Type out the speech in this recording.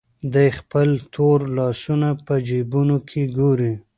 دی خپل تور لاسونه په جېبونو کې ګوري.